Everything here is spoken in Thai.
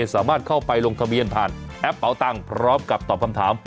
สามารถเข้าไปลงทะเบียนผ่านแอปเป่าตังค์พร้อมกับตอบคำถาม